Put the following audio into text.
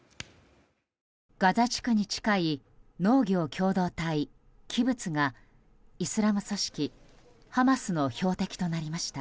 ガザ地区に近い農業共同体キブツがイスラム組織ハマスの標的となりました。